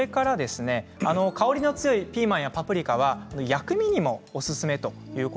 香りの強いピーマンやパプリカは薬味にもおすすめです。